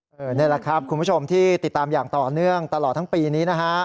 นี่แหละครับคุณผู้ชมที่ติดตามอย่างต่อเนื่องตลอดทั้งปีนี้นะฮะ